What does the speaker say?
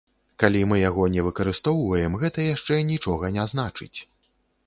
Калі мы яго не выкарыстоўваем, гэта яшчэ нічога не значыць.